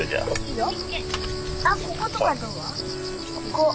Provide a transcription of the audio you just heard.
あこことかどう？